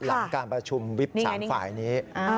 หลังการประชุมวิบ๓ฝ่ายนี้